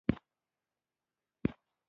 د نجونو تعلیم د کورنۍ خوارۍ مخه نیسي.